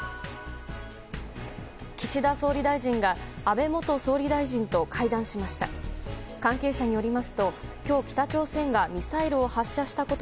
岸田総理大臣が安倍元総理大臣と会談しました。